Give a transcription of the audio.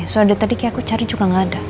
soalnya tadi kayak aku cari juga nggak ada